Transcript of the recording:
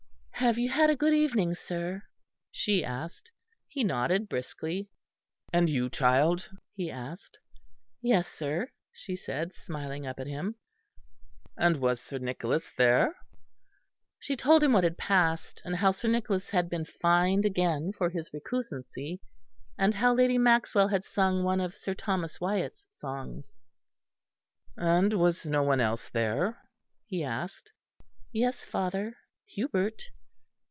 "Have you had a good evening, sir?" she asked. He nodded briskly. "And you, child?" he asked. "Yes, sir," she said, smiling up at him. "And was Sir Nicholas there?" She told him what had passed, and how Sir Nicholas had been fined again for his recusancy; and how Lady Maxwell had sung one of Sir Thomas Wyatt's songs. "And was no one else there?" he asked. "Yes, father, Hubert."